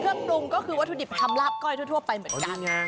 เครื่องปรุงก็คือวัตถุดิบทำลาบก้อยทั่วไปเหมือนกัน